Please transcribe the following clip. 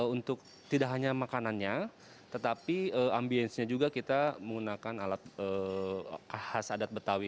untuk tidak hanya makanannya tetapi ambiensnya juga kita menggunakan alat khas adat betawi